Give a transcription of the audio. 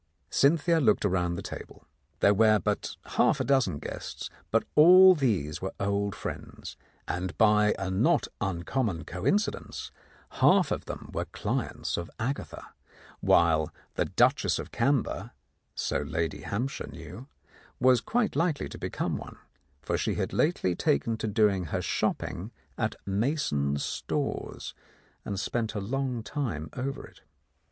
Cynthia looked round the table. There were but half a dozen guests, but all these were old friends, and by a not uncommon coincidence half of them were clients of Agatha, while the Duchess of Camber, so Lady Hampshire knew, was quite likely to become one, for she had lately taken to doing her shopping at Mason's Stores, and spent a long time over it.